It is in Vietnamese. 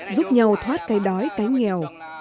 giúp nhau thoát cái đói cái nghèo